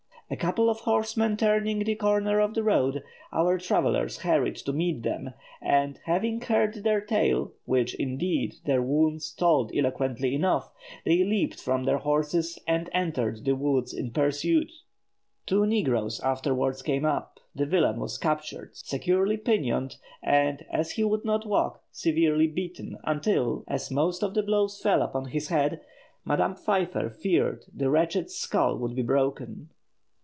A couple of horsemen turning the corner of the road, our travellers hurried to meet them, and having heard their tale, which, indeed, their wounds told eloquently enough, they leaped from their horses, and entered the wood in pursuit. Two negroes afterwards came up; the villain was captured, securely pinioned, and, as he would not walk, severely beaten, until, as most of the blows fell upon his head, Madame Pfeiffer feared the wretch's skull would be broken.